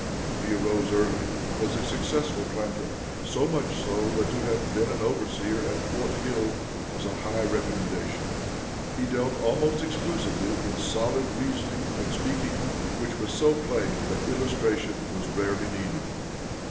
He arose early and was a successful planter; so much so that to have been an overseer at 'Fort Hill' was a high recommendation. He dealt almost exclusively in solid reasoning when speaking, which was so plain that illustration was rarely needed.